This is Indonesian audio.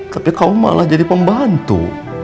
tapi kau malah jadi pembantu